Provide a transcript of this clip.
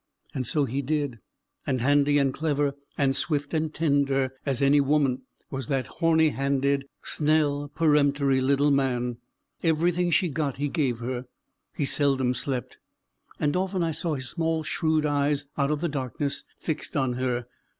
And so he did; and handy and clever, and swift and tender as any woman, was that horny handed, snell, peremptory little man. Everything she got he gave her: he seldom slept; and often I saw his small shrewd eyes out of the darkness, fixed on her.